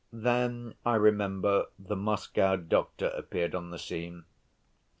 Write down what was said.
Then I remember the Moscow doctor appeared on the scene.